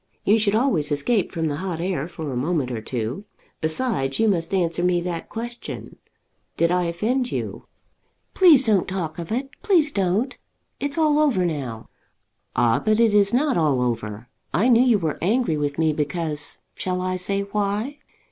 You should always escape from the hot air for a moment or two. Besides, you must answer me that question. Did I offend you?" "Please don't talk of it. Please don't. It's all over now." "Ah, but it is not all over. I knew you were angry with me because, shall I say why?"